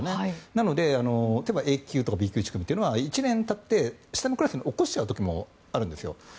なので、Ａ級とかＢ級１組とかは１年たって下のクラスに落っこっちゃう時もあるんです。